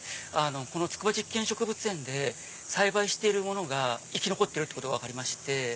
この筑波実験植物園で栽培しているものが生き残ってることが分かりまして。